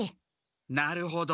なるほど。